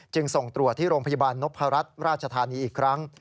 ส่งตรวจที่โรงพยาบาลนพรัชราชธานีอีกครั้ง